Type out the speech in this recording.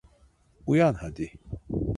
Uyan hadi…